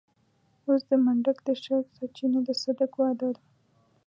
اوس د منډک د شر سرچينه د صدک واده و.